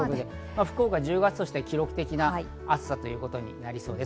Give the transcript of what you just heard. １０月としては記録的な暑さということになりそうです。